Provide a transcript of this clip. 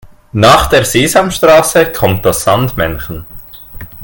Nach der Sesamstraße kommt das Sandmännchen.